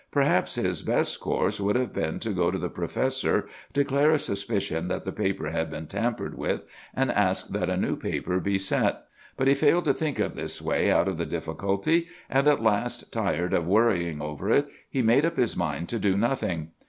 Perhaps his best course would have been to go to the professor, declare a suspicion that the paper had been tampered with, and ask that a new paper be set. But he failed to think of this way out of the difficulty; and, at last, tired of worrying over it, he made up his mind to do nothing.